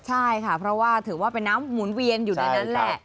ใช่ค่ะเพราะว่าถือว่าเป็นน้ำหมุนเวียนอยู่ในนั้นแหละ